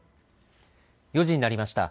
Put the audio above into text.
４時になりました。